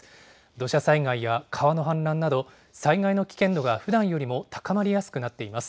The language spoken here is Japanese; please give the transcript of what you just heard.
土砂災害や川の氾濫など、災害の危険度がふだんよりも高まりやすくなっています。